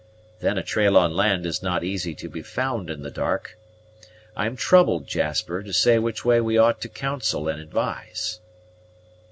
Then a trail on land is not easy to be found in the dark. I am troubled, Jasper, to say which way we ought to counsel and advise."